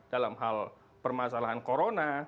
dalam hal permasalahan corona